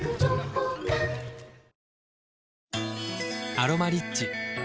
「アロマリッチ」